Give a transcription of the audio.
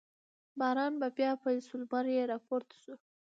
باران بیا پیل شو، لمر چې را پورته شو.